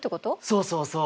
そうそうそう。